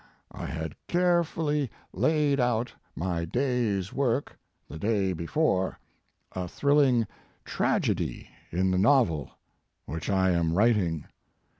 I had carefully laid out my day s work the day before a thrilling tragedy in the novel which I am writing.